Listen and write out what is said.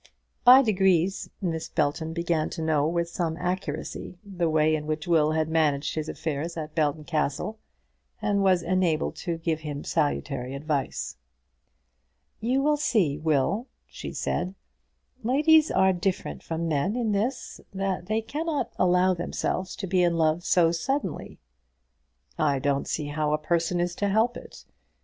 By degrees Miss Belton began to know with some accuracy the way in which Will had managed his affairs at Belton Castle, and was enabled to give him salutary advice. "You see, Will," she said, "ladies are different from men in this, that they cannot allow themselves to be in love so suddenly." "I don't see how a person is to help it.